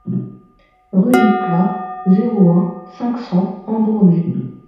Rue du Plat, zéro un, cinq cents Ambronay